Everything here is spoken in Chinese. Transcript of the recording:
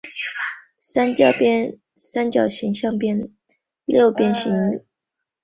六角化六边形镶嵌的结构与六边形边与三角形边重合的复合三角形镶嵌六边形镶嵌相近。